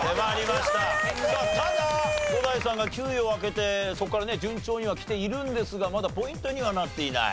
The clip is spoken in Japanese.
さあただ伍代さんが９位を開けてそこからね順調にはきているんですがまだポイントにはなっていない。